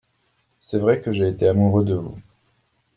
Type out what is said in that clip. C’est vrai que j’ai été amoureux de vous.